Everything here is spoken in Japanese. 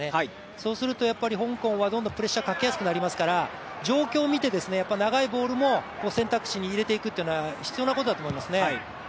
そうすると、香港はどんどんプレッシャーかけやすくなりますから状況を見て、長いボールも選択肢に入れていくというのは必要なことだと思いますね。